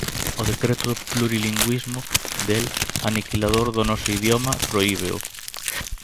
O Decreto do plurilingüismo del, aniquilador do noso idioma, prohíbeo.